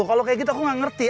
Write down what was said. kalau kayak gitu aku gak ngerti